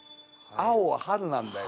青は春なんだよ。